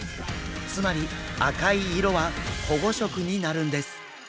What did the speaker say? つまり赤い色は保護色になるんです。